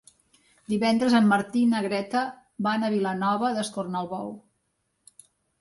Divendres en Martí i na Greta van a Vilanova d'Escornalbou.